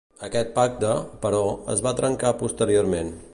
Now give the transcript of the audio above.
Aquest pacte, però, es va trencar posteriorment.